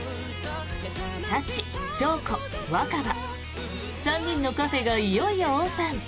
サチ、翔子、若葉３人のカフェがいよいよオープン。